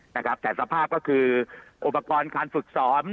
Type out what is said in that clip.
แต่สภาพก็คืออุปกรณ์การฝึกสอน